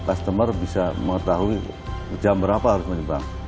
customer bisa mengetahui jam berapa harus menyeberang